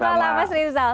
selamat malam mas rizal